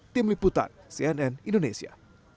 tim liputan cnn indonesia